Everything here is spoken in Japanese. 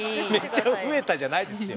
「めっちゃ増えた」じゃないですよ。